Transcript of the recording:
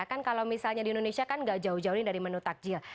kan kalau misalnya di indonesia kan gak jauh jauh ini dari menu takjil